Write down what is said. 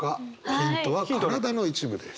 ヒントは体の一部です。